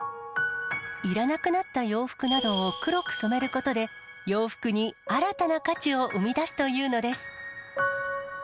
いらなくなった洋服などを黒く染めることで、洋服に新たな価値を生み出すというのです。